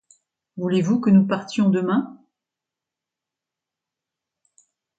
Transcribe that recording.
Voulez-vous que nous partions demain?